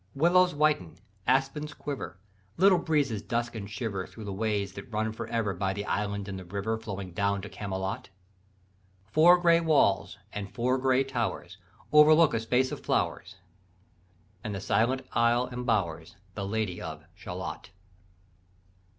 ] "Willows whiten, aspens quiver, Little breezes dusk and shiver Thro' the ways that runs for ever By the island in the river Flowing down to Camelot. Four gray walls, and four gray towers, Overlook a space of flowers. And the silent isle embowers The Lady of Shalott....